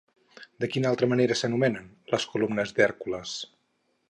De quina altra manera s'anomenen les columnes d'Hèrcules?